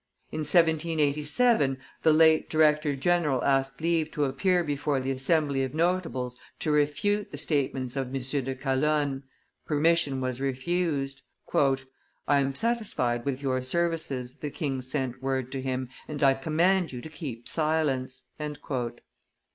In 1787, the late director general asked leave to appear before the Assembly of notables to refute the statements of M. de Calonne; permission was refused. "I am satisfied with your services," the king sent word to him, "and I command you to keep silence."